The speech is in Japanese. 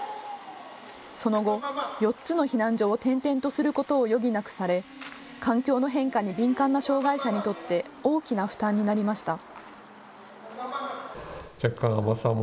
その後、４つの避難所を転々とすることを余儀なくされ環境の変化に敏感な障害者にとって大きな負担になりました。